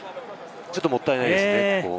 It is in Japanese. ちょっと、もったいないですね。